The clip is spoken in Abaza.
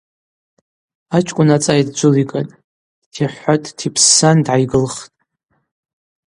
Ачкӏвын ацӏай дджвылигатӏ, дтихӏвхӏватӏ-дтипссан дгӏайгылхтӏ.